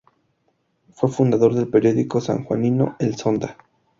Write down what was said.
Fue fundador del periódico sanjuanino "El Zonda".